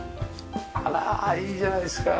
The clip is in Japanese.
あらいいじゃないですか。